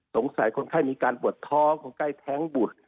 สงสัยคนไข้มีการปวดท้องคนใกล้แท้งบุตร